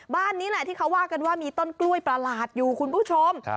บ้านนี้แหละที่เขาว่ากันว่ามีต้นกล้วยประหลาดอยู่คุณผู้ชม